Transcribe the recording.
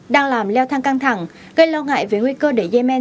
đang làm leo thang căng thẳng gây lo ngại về nguy cơ để yemen